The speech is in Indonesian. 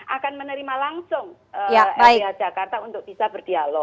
akan menerima langsung lbh jakarta untuk bisa berdialog